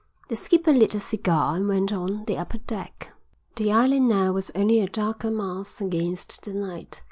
The skipper lit a cigar and went on the upper deck. The island now was only a darker mass against the night.